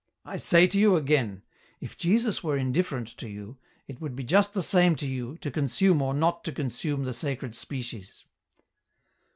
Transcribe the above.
" I say tc you again : if Jesus were indifferent to you, it would be just the same to you, to consume or not to con sume the sacred species."